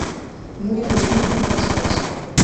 muri bariya niho mbarizwa gusa